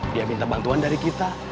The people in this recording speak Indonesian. dia minta bantuan dari kita